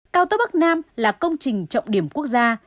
cao tốc bắc nam là công trình trọng điểm quốc gia